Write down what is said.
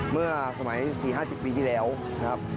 เมื่อสมัยสี่ห้าสิบปีที่แล้วนะครับ